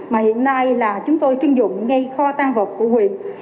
mà hiện nay là chúng tôi trưng dụng ngay kho tan vật của huyện